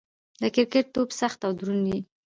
د کرکټ توپ سخت او دروند يي.